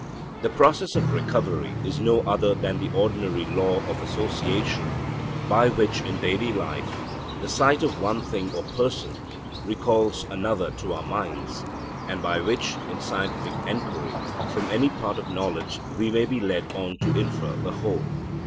The process of recovery is no other than the ordinary law of association, by which in daily life the sight of one thing or person recalls another to our minds, and by which in scientific enquiry from any part of knowledge we may be led on to infer the whole.